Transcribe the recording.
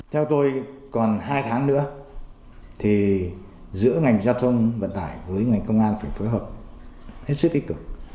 theo tôi còn hai tháng nữa thì giữa ngành giao thông vận tải với ngành công an phải phối hợp hết sức tích cực